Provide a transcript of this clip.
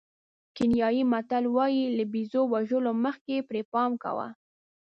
کینیايي متل وایي له بېزو وژلو مخکې پرې پام کوه.